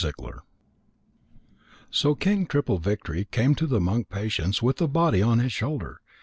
CONCLUSION So King Triple victory came to the monk Patience with the body on his shoulder.